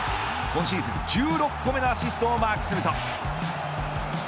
今シーズン１６個目のアシストをマークすると。